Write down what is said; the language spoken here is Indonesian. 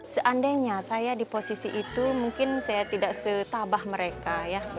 seandainya saya di posisi itu mungkin saya tidak setabah mereka ya